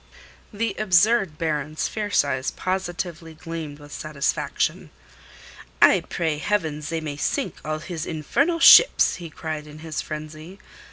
The absurd Baron's fierce eyes positively gleamed with satisfaction. "I pray Heaven they may sink all his infernal ships!" he cried in his frenzy.